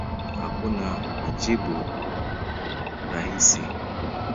Hakuna majibu rahisi.